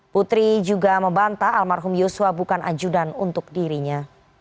putri juga membantah almarhum yusua bukan anjudan untuk dirinya